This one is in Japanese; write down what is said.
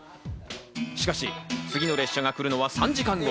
しかし、次の列車が来るのは３時間後。